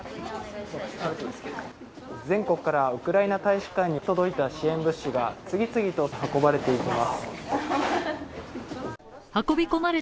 全国からウクライナ大使館に届いた支援物資が次々と運ばれていきます。